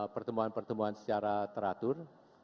pertemuan pertemuan secara teratur